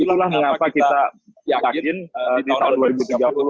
itulah mengapa kita yakin di tahun dua ribu tiga puluh